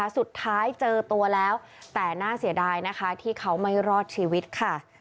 สุดท้ายเจอตัวแล้วแต่น่าเสียดายนะคะที่เขาไม่รอดชีวิตค่ะ